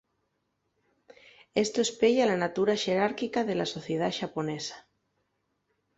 Esto espeya la natura xerárquica de la sociedá xaponesa.